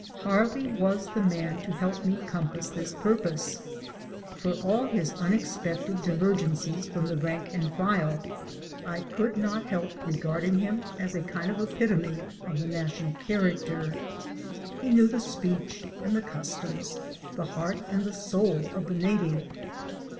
Harvey was the man to help me compass this purpose. For all his unexpected divergencies from the rank and file, I could not help regarding him as a kind of epitome of the national character. He knew the speech and the customs, the heart and the soul, of the native.